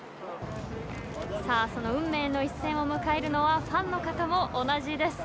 その運命の一戦を迎えるのはファンの方も同じです。